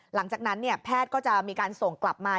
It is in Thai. หลังจากนั้นแพทย์ก็จะมีการส่งกลับมา